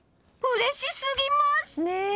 うれしすぎます！